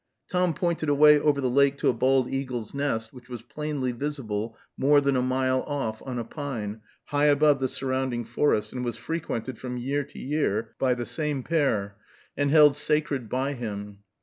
Tom pointed away over the lake to a bald eagle's nest, which was plainly visible more than a mile off, on a pine, high above the surrounding forest, and was frequented from year to year by the same pair, and held sacred by him.